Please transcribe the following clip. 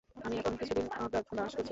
আমি এখন কিছুদিন অজ্ঞাতবাস করছি।